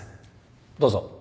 どうぞ。